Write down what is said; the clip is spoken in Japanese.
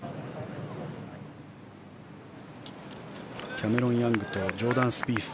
キャメロン・ヤングとジョーダン・スピース